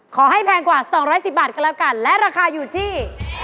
แพงกว่า๒๑๐บาทก็แล้วกันและราคาอยู่ที่